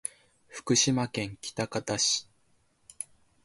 福島県喜多方市